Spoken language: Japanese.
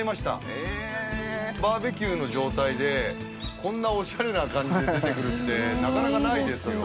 バーベキューの状態でこんなオシャレな感じで出てくるってなかなかないですよ。